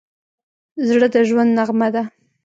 زړه د ژوند نغمه ده.